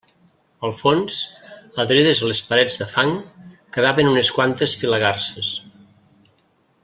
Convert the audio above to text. Al fons, adherides a les parets de fang, quedaven unes quantes filagarses.